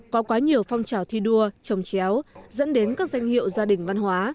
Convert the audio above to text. có quá nhiều phong trào thi đua trồng chéo dẫn đến các danh hiệu gia đình văn hóa